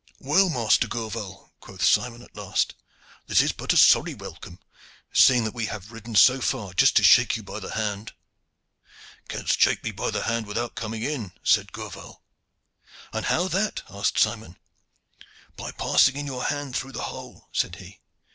'Well, Master Gourval,' quoth Simon at last, 'this is but a sorry welcome, seeing that we have ridden so far just to shake you by the hand.' 'Canst shake me by the hand without coming in,' said Gourval. 'And how that?' asked Simon. 'By passing in your hand through the hole,' said he.